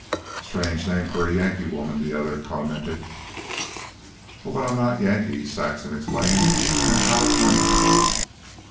"Strange name for a Yankee woman," the other commented. "Oh, but I'm not Yankee," Saxon exclaimed. "I'm Californian."